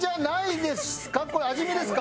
味見ですか？